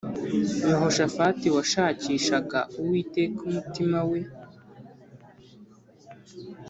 Yehoshafati washakishaga Uwiteka umutima we